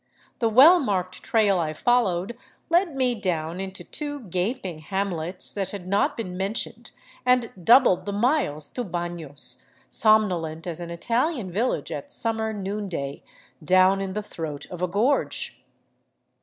The well marked trail I followed led me down into two gaping hamlets that had not been men tioned, and doubled the miles to Baiios, somnolent as an Italian village at summer noonday, down in the throat of a gorge.